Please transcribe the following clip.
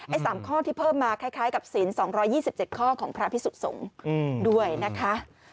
๓ข้อที่เพิ่มมาคล้ายกับศีล๒๒๗ข้อของพระพิสุสงฆ์ด้วยนะคะ